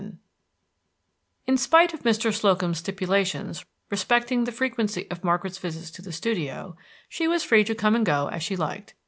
XI In spite of Mr. Slocum's stipulations respecting the frequency of Margaret's visits to the studio, she was free to come and go as she liked.